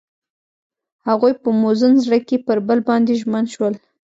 هغوی په موزون زړه کې پر بل باندې ژمن شول.